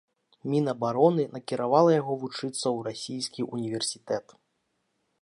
Мінабароны накіравала яго вучыцца ў расійскі ўніверсітэт.